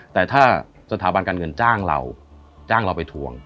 แต่ถ้าสถาบันการเงินจ้างเราไปทวง